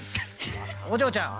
お嬢ちゃん。